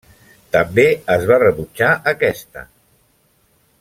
També es va rebutjar aquesta.